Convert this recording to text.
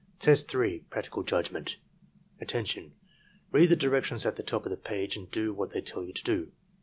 Test 3. — ^Practical Judgment Attention! Read the directions at the top of the page and do what they tell you to do.